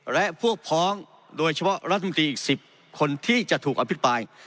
และพวกพ้องโดยเฉพาะรัฐมนตรีอีก๑๐คนที่จะถูกอภิปราย